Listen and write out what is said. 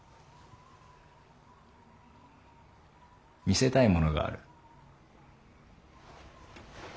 見せたいものがある。